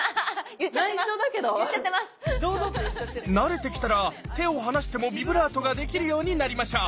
慣れてきたら手を離してもビブラートができるようになりましょう！